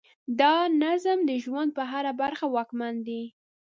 دا نظم د ژوند په هره برخه واکمن دی.